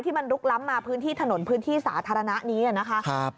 มันลุกล้ำมาพื้นที่ถนนพื้นที่สาธารณะนี้นะคะ